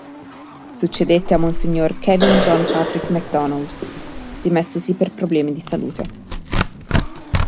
Succedette a monsignor Kevin John Patrick McDonald dimessosi per problemi di salute.